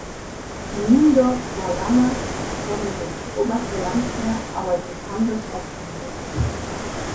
Niendorf war lange Herrensitz, oberster Landesherr aber die Hansestadt Lübeck.